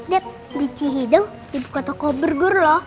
dep di cihidung dibuka toko burger lho